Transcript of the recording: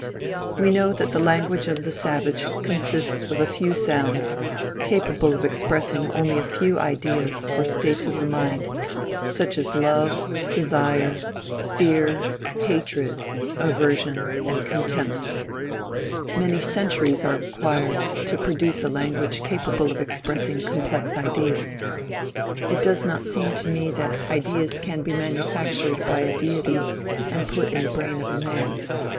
We know that the language of the savage consists of a few sounds, capable of expressing only a few ideas or states of the mind, such as love, desire, fear, hatred, aversion and contempt. Many centuries are required to produce a language capable of expressing complex ideas. It does not seem to me that ideas can be manufactured by a deity and put in the brain of man.